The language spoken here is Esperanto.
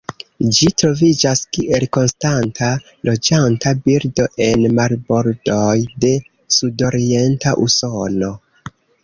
Ĝi troviĝas kiel konstanta loĝanta birdo en marbordoj de sudorienta Usono.